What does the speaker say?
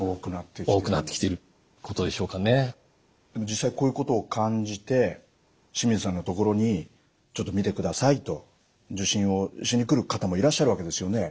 実際こういうことを感じて清水さんのところにちょっと診てくださいと受診をしに来る方もいらっしゃるわけですよね。